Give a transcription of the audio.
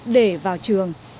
để vào trường